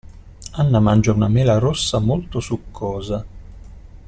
Anna mangia una mela rossa molto succosa.